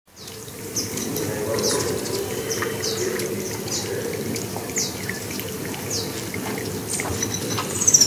Sin embargo, los clubes tenían historias muy diferentes.